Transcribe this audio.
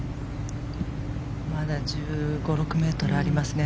まだ１５１６ｍありますね。